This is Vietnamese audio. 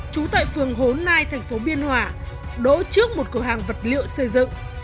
trú tại phường hố nai thành phố biên hòa đỗ trước một cửa hàng vật liệu xây dựng